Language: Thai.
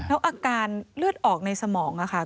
แล้วอาการเลือดออกในสมองค่ะ